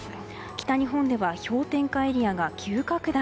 北日本では氷点下エリアが急拡大。